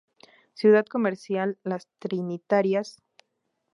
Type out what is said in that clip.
Ciudad Comercial Las Trinitarias, Av.